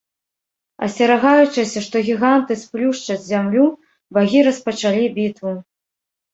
Асцерагаючыся, што гіганты сплюшчаць зямлю, багі распачалі бітву.